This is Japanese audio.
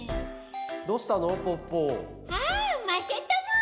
どうしたの？